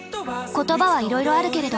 言葉はいろいろあるけれど。